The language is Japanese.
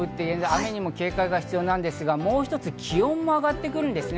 雨にも警戒ですが、もう一つ気温も上がってきます。